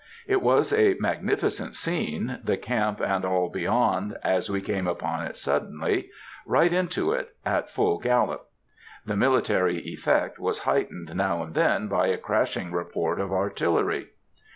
It was a magnificent scene, the camp and all beyond, as we came upon it suddenly—right into it, at full gallop. The military "effect" was heightened now and then by a crashing report of artillery.